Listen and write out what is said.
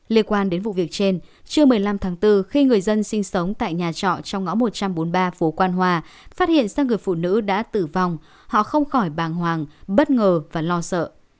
liên quan đến vụ việc trên chưa một mươi năm tháng bốn khi người dân sinh sống tại nhà trọ trong ngõ một trăm bốn mươi ba phố quan hòa phát hiện sang người phụ nữ đã tử vong họ không khỏi bàng hoàng bất ngờ và lo sợ